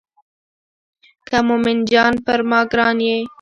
که مومن جان یې پر ما ګران یې.